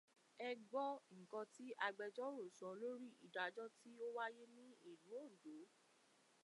Ẹ gbọ́ nǹkan ti agbẹ́jọro sọ lórí ìdájọ tí ó wáyé ní ìlú Òǹdò.